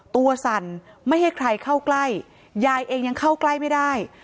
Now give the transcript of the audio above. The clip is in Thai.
สั่นไม่ให้ใครเข้าใกล้ยายเองยังเข้าใกล้ไม่ได้